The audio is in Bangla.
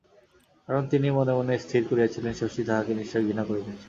কারণ, তিনি মনে মনে স্থির করিয়াছিলেন, শশী তাঁহাকে নিশ্চয় ঘৃণা করিতেছে।